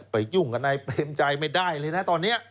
ยุ่งกับนายเปรมชัยไม่ได้เลยนะตอนนี้